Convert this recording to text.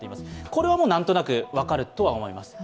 これは何となく分かるとは思います。